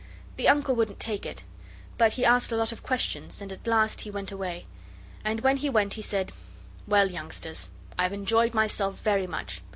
The Uncle wouldn't take it, but he asked a lot of questions, and at last he went away. And when he went he said 'Well, youngsters, I've enjoyed myself very much.